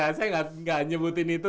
saya nggak nyebutin itu